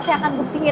saya akan buktikan